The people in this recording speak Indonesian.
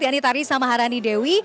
yani tari sama harani dewi